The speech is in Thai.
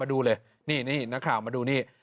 มาดูเลยนี่ในข่าวมาดูเลย